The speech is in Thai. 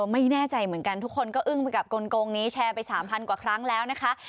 ไม่แน่ใจเหมือนกันทุกคนก็อึ้งไปกับกลงนี้แชร์ไป๓๐๐กว่าครั้งแล้วนะคะ